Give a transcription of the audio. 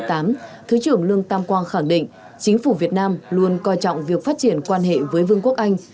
thứ trưởng lương tam quang khẳng định chính phủ việt nam luôn coi trọng việc phát triển quan hệ với vương quốc anh